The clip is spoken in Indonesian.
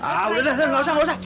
ah udah deh nggak usah nggak usah